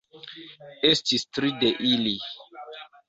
Estis tri de ili.